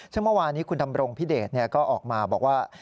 ซึ่งเมื่อวานี้คุณธรรมรงค์พี่เดชน์ก็ออกมาบอกว่า